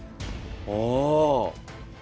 ああ！